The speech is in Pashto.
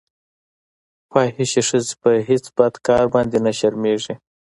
فاحشې ښځې په هېڅ بد کار باندې نه شرمېږي.